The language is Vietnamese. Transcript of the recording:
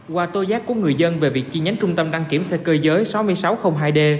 qua tô giác của người dân về việc chi nhánh trung tâm đăng kiểm xe cơ giới sáu nghìn sáu trăm linh hai d